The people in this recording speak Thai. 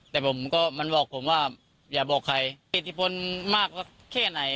แต่ผมก็มันบอกผมว่าอย่าบอกใครอิทธิพลมากแค่ไหน